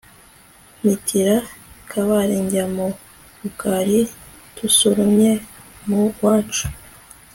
mpitira i kabare njya mu rukari, dusoromye mu wacu